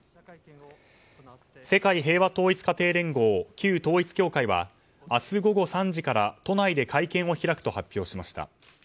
世界平和統一家庭連合旧統一教会は明日午後３時から都内で会見を開くと発表しました。